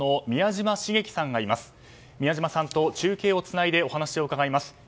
宮嶋さんと中継をつないでお話を伺います。